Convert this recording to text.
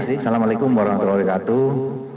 assalamu'alaikum warahmatullahi wabarakatuh